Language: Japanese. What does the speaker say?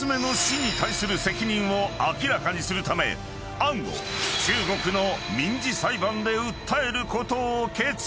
［杏を中国の民事裁判で訴えることを決意］